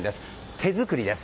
手作りです。